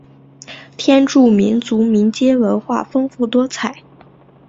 天柱民族民间文化丰富多彩。